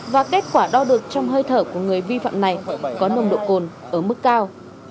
và kết quả đo được trong hơi thở của người vi phạm này có nồng độ cồn ở mức cao